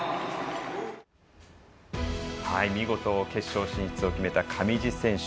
見事、決勝進出を決めた上地選手。